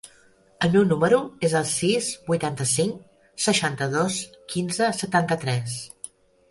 El meu número es el sis, vuitanta-cinc, seixanta-dos, quinze, setanta-tres.